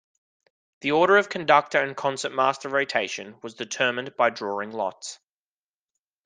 The order of conductor and concertmaster rotation was determined by drawing lots.